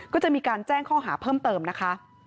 ก็จะมีการแจ้งข้อหาเพิ่มเติมนะคะ